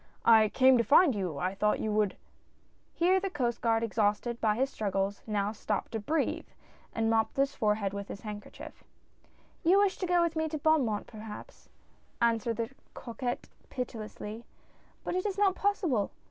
" I came to find you — I thought you would " Here the Coast Guard, exhausted by his struggles, now stopped to breathe, and mopped his forehead with his handkerchief. " You wished to go with me to Beaumont, perhaps," answered the coquette pitilessly, "but it is not possible.